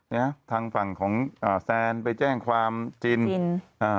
เนี้ยทางฝั่งของอ่าแซนไปแจ้งความจินจินอ่า